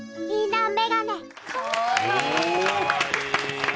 いいな。